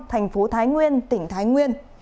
thành phố thái nguyên tỉnh thái nguyên